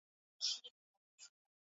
kwa kutoa matibabu na misaada mbalimbali